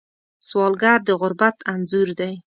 سوالګر د غربت انځور دی